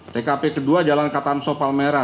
tkp kedua jalan katamso palmera